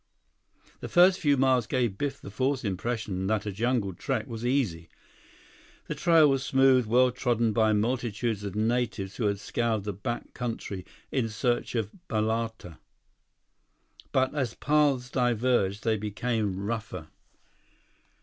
The first few miles gave Biff the false impression that a jungle trek was easy. The trail was smooth, well trodden by multitudes of natives who had scoured the back country in search of balata. But as paths diverged, they became rougher.